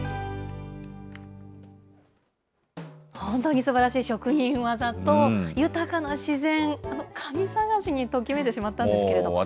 本当にすばらしい職人技と、豊かな自然、カニ探しにときめいてしまったんですけれども。